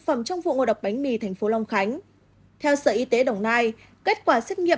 phẩm trong vụ ngộ độc bánh mì thành phố long khánh theo sở y tế đồng nai kết quả xét nghiệm